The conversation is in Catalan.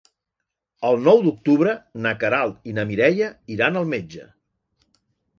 El nou d'octubre na Queralt i na Mireia iran al metge.